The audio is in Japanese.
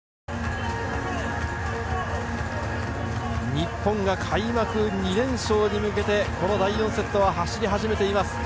日本が開幕２連勝に向けてこの第４セットを走り始めています。